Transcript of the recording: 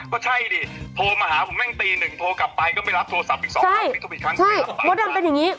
ก็ใช่อีกโทรมาหาผมแม่งตีหนึ่งโทรกลับไปก็ไม่รับโทรศัพท์อีก๒แล้ว